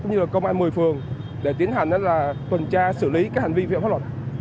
như là công an một mươi phường để tiến hành tuần tra xử lý các hành vi vi phạm pháp luật